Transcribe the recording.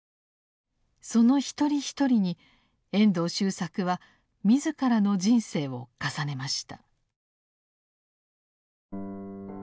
その一人一人に遠藤周作は自らの人生を重ねました。